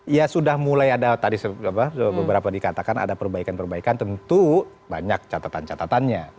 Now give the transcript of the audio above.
ya sudah mulai ada tadi beberapa dikatakan ada perbaikan perbaikan tentu banyak catatan catatannya